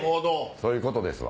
そういうことですわ。